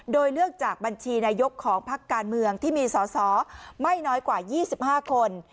โดยเลือกจากบัญชีนายกของพักการเมืองที่มีสอสอไม่น้อยกว่า๒๕คน